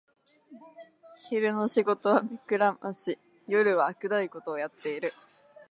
昼の仕事は目くらまし、夜はあくどいことをやってる